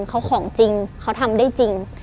เขาของจริงเขาทำได้จริง